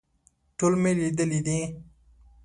ټول مې لیدلي دي.